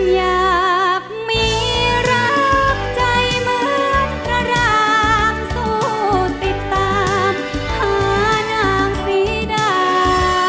อยากมีรักใจเหมือนพระรามสู้ติดตามหานางศรีดา